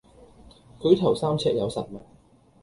舉頭三尺有神明